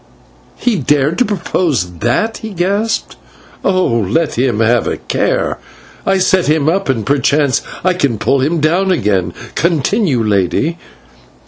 He dared to propose that!" he gasped. "Oh! let him have a care. I set him up, and perchance I can pull him down again. Continue, Lady."